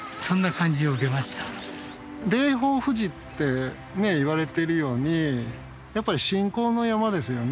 霊峰富士っていわれてるようにやっぱり信仰の山ですよね。